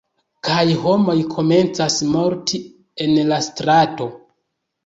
kaj homoj komencas morti en la strato.